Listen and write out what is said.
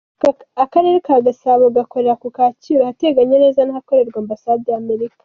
Akarere ka Gasabo gakorera ku Kacyiru ahateganye neza n’ahakorerwa na Ambasade ya Amerika.